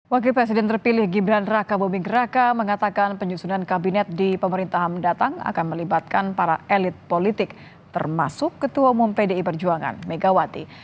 wakil presiden terpilih gibran raka buming raka mengatakan penyusunan kabinet di pemerintahan mendatang akan melibatkan para elit politik termasuk ketua umum pdi perjuangan megawati